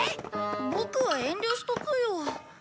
ボクは遠慮しとくよ。